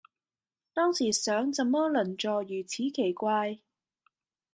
當時想怎麼鄰座如此奇怪